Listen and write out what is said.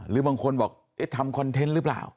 แบบบอกทำคอนเทนต์หรือเปล่า